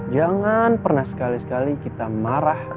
jangan pernah sekali sekali kita marah